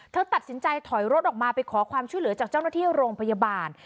เธอตัดสินใจถอยรถออกมาไปขอความช่วยเหลือจากเจ้าหน้าที่โรงพยาบาล